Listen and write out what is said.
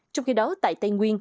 trong khi đó tại tây nguyên